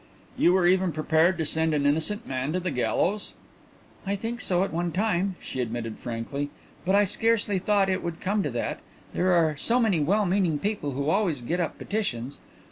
"You were even prepared to send an innocent man to the gallows?" "I think so, at one time," she admitted frankly. "But I scarcely thought it would come to that. There are so many well meaning people who always get up petitions....